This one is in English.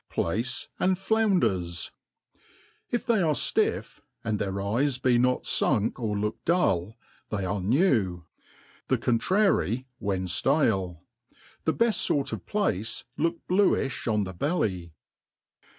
Plaife and Flounders, IF they are ftifF, and their eyes be not funk or look dull, they ar« new ; the contrary when ftale. The beft fort of plaife look bluifti on the belly.